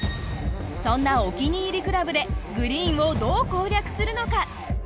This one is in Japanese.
そんなお気に入りクラブでグリーンをどう攻略するのか。